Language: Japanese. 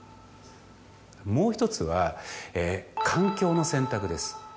もう１つは環境の選択です。